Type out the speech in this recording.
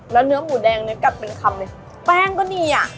แล้วเนื้อหมูแดงกลับเป็นคำแบ่งก็นี่อะ